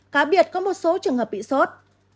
cá biệt có một số trường hợp bị sốt